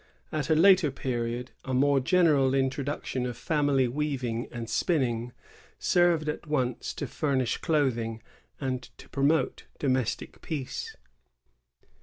At a later period, a more general introduction of family weaving and spinning served at once to furnish clothing and to promote domestic peace.